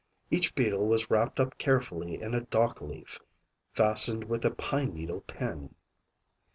Each beetle was wrapped up carefully in a dockleaf, fastened with a pine needle pin.